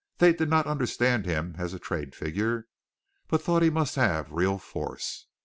They did not understand him as a trade figure, but thought he must have real force.